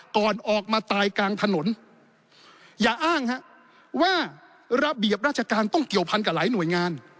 ก่อนออกมาตายกลางถนนอย่าอ้างฮะว่าระเบียบราชการต้องเกี่ยวพันกับหลายหน่วยงาน